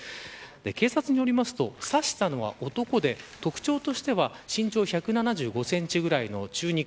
警察によると、刺したのは男で特徴としては身長１７５センチぐらいの中肉。